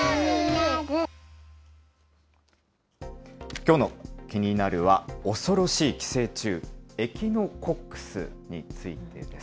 きょうのキニナル！は恐ろしい寄生虫、エキノコックスについてです。